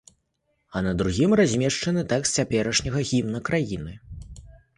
А на другім размешчаны тэкст цяперашняга гімна краіны.